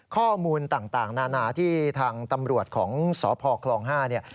ข้อมูลต่างนานาที่ทางตำรวจของสพคลอง๕เนี่ย